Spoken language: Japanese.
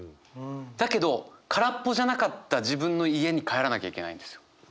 だけど空っぽじゃなかった自分の家に帰らなきゃいけないんですよ。